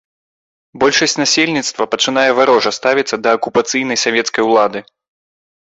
Большасць насельніцтва пачынае варожа ставіцца да акупацыйнай савецкай улады.